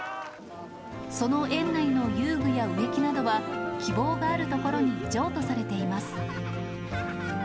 その園内の遊具や植木などは、希望があるところに譲渡されています。